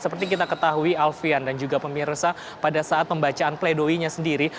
seperti kita ketahui alfian dan juga pemirsa pada saat pembacaan pledoinya sendiri